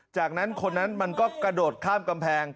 จากนั้นคนนั้นมันก็กระโดดข้ามกำแพง